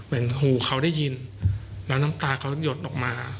หูเขาได้ยินแล้วน้ำตาเขาหยดออกมา